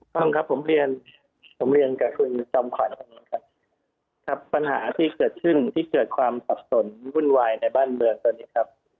ต้องครับผมเรียนผมเรียนกับคุณจอมขวัญตรงนี้ครับครับปัญหาที่เกิดขึ้นที่เกิดความสับสนวุ่นวายในบ้านเมืองตอนนี้ครับ